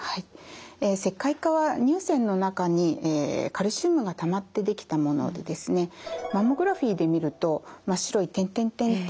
石灰化は乳腺の中にカルシウムがたまって出来たものでですねマンモグラフィーで見ると真っ白い点々点々の粒のように見えます。